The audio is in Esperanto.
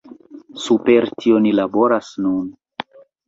Super tio ni laboras nun.